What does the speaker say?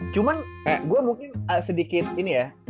cuman kayak gue mungkin sedikit ini ya